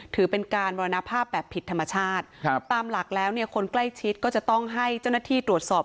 ถือเป็นการมรณภาพแบบผิดธรรมชาติตามหลักแล้วเนี่ยคนใกล้ชิดก็จะต้องให้เจ้าหน้าที่ตรวจสอบ